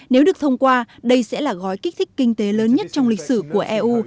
nếu được thông qua đây sẽ là gói kích thích kinh tế lớn nhất trong lịch sử của eu